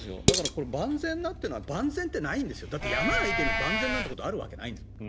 この万全なっていうのは万全ってないんですよだって山相手に万全なんてことあるわけない。